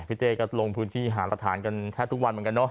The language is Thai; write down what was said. พี่เจ๊ก็ลงพื้นที่หาประธานกันแท้ทุกวันเหมือนกันเนอะ